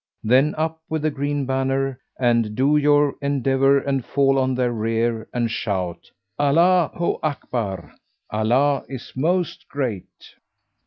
then up with the green banner, and do your endeavour and fall on their rear and shout, 'Alla ho Akbar! Allah is most Great!'